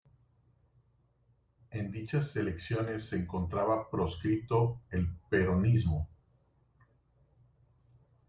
En dichas elecciones se encontraba proscrito el Peronismo.